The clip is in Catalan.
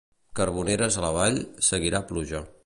Carboneres a la vall, seguirà pluja.